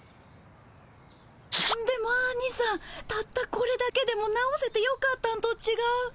でもアニさんたったこれだけでも直せてよかったんとちがう？